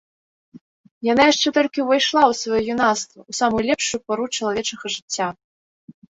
Яна яшчэ толькі ўвайшла ў сваё юнацтва, у самую лепшую пару чалавечага жыцця.